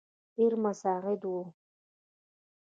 ډېر مساعد وو.